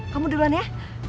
kamu duluan ya